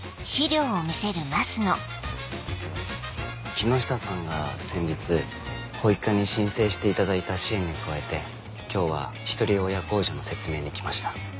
木下さんが先日保育課に申請していただいた支援に加えて今日はひとり親控除の説明に来ました。